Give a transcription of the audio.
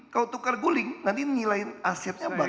kalau tukar guling nanti menilai asetnya bagaimana